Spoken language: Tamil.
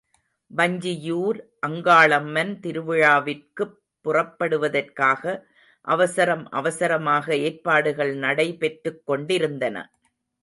வஞ்சியூர் அங்காளம்மன் திருவிழாவிற்குப் புறப்படுவதற்காக அவசரம் அவசரமாக ஏற்பாடுகள் நடைபெற்றுக் கொண்டிருந்தன.